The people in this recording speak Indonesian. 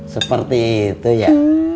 seperti itu ya